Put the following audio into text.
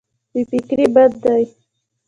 بې فکري بد دی.